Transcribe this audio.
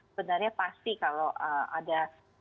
sebenarnya pasti kalau ada